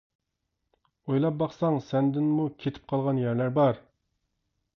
ئويلاپ باقساڭ، سەندىنمۇ كېتىپ قالغان يەرلەر بار.